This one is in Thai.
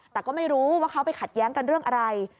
แต่ก็ไม่รู้ว่าเขาไปขัดแย้งกันเรื่องอะไร